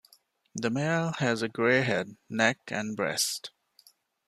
The male has a grey head, neck, and breast.